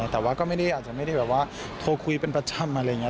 แต่ว่าก็ไม่ได้อาจจะไม่ได้แบบว่าโทรคุยเป็นประจำอะไรอย่างนี้